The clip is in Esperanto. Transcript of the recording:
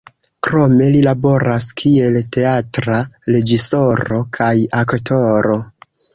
Krome li laboras kiel teatra reĝisoro kaj aktoro.